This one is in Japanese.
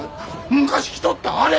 昔着とったあれ！